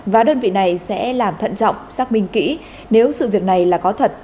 và đơn vị này sẽ làm thận trọng xác minh kỹ nếu sự việc này là có thật